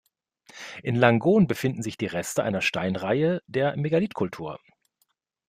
In Langon befinden sich die Reste einer Steinreihe der Megalithkultur.